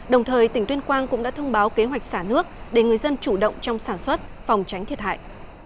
đồng thời tỉnh tuyên quang cũng đã thông báo kế hoạch xả nước để người dân chủ động trong sản xuất phòng tránh thiệt hại